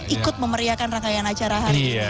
ikut memeriakan rangkaian acara hari ini